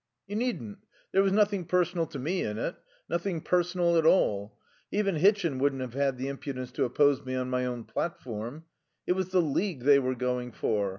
"You needn't. There was nothing personal to me in it. Nothing personal at all. Even Hitchin wouldn't have had the impudence to oppose me on my own platform. It was the League they were going for.